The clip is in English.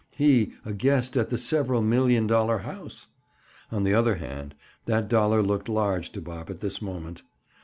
—he, a guest at the several million dollar house! On the other hand, that dollar looked large to Bob at this moment.